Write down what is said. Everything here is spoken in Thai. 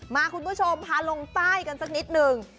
คุณผู้ชมพาลงใต้กันสักนิดหนึ่ง